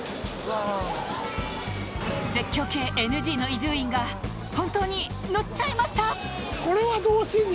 絶叫系 ＮＧ の伊集院が本当に乗っちゃいました！